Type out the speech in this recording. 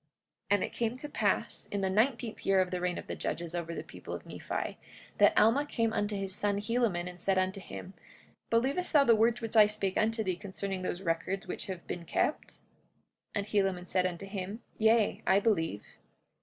45:2 And it came to pass in the nineteenth year of the reign of the judges over the people of Nephi, that Alma came unto his son Helaman and said unto him: Believest thou the words which I spake unto thee concerning those records which have been kept? 45:3 And Helaman said unto him: Yea, I believe.